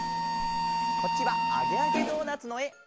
こっちは「あげあげドーナツ」のえ！